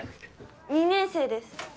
２年生です。